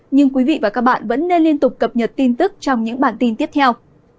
nhưng quý vị và các bạn vẫn nên liên tục cập nhật tin tức trong những bản tin tiếp theo